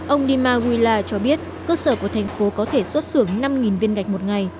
ông dima gwila cho biết cơ sở của thành phố có thể xuất xưởng năm viên gạch một ngày